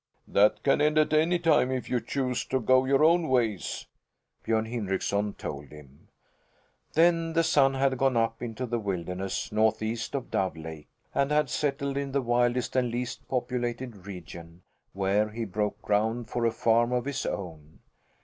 "That can end at any time, if you choose to go your own ways," Björn Hindrickson told him. Then the son had gone up into the wilderness northeast of Dove Lake, and had settled in the wildest and least populated region, where he broke ground for a farm of his own.